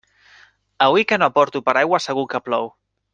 Avui que no porto paraigua segur que plou.